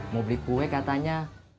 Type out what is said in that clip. mau beli kue katanya